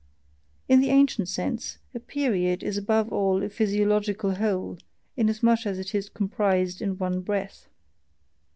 In the ancient sense, a period is above all a physiological whole, inasmuch as it is comprised in one breath.